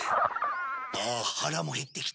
ああ腹も減ってきた。